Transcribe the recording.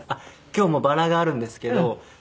今日もバラがあるんですけど。